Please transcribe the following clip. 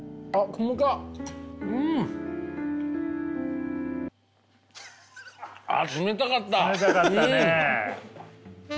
冷たかったね。